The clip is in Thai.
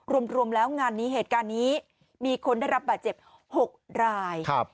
รวมแล้วงานนี้เหตุการณ์นี้มีคนได้รับบาดเจ็บ๖ราย